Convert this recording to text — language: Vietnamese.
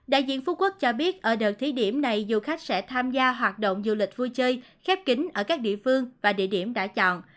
đại diện phú quốc cho biết ở đợt thí điểm này du khách sẽ tham gia hoạt động du lịch vui chơi khép kính ở các địa phương và địa điểm đã chọn